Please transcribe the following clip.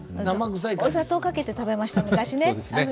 お砂糖かけて食べました、昔ね。